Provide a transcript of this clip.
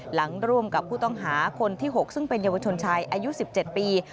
ร่วมกับผู้ต้องหาคนที่๖ซึ่งเป็นเยาวชนชายอายุ๑๗ปี